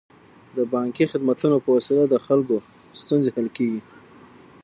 د بانکي خدمتونو په وسیله د خلکو ستونزې حل کیږي.